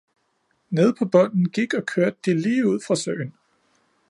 Nede på bunden gik og kørte de lige ud fra søen.